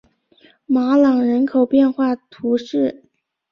马朗人口变化图示